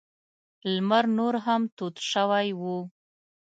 لمر نور هم تود شوی و.